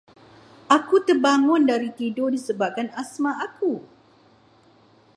Aku terbangun dari tidur disebabkan asma aku.